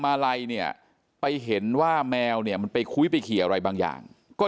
มาลัยเนี่ยไปเห็นว่าแมวเนี่ยมันไปคุ้ยไปขี่อะไรบางอย่างก็